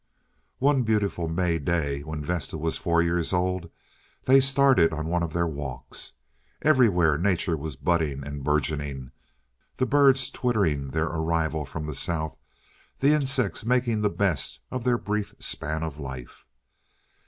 One beautiful May day, when Vesta was four years old, they started on one of their walks. Everywhere nature was budding and bourgeoning; the birds twittering their arrival from the south; the insects making the best of their brief span of life.